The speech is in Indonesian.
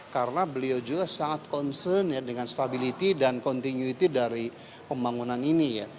karena beliau juga sangat concern ya dengan stability dan continuity dari pembangunan ini ya